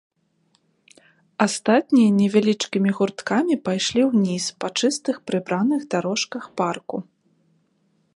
Астатнія невялічкімі гурткамі пайшлі ўніз па чыстых прыбраных дарожках парку.